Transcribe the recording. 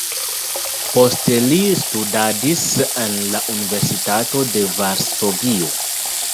Poste li studadis en la Universitato de Varsovio.